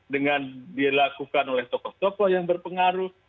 dengan dilakukan oleh tokoh tokoh yang berpengaruh